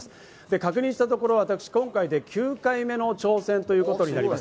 確認したところ、今回で９回目の挑戦ということです。